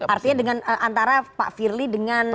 artinya antara pak firly dengan pak jokowi